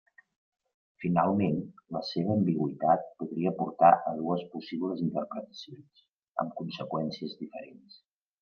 Finalment, la seva ambigüitat podria portar a dues possibles interpretacions, amb conseqüències diferents.